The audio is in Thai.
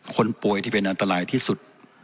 คนป่วยที่เป็นอันตรายที่สุด